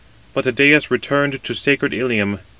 But Idæus returned to sacred Ilium.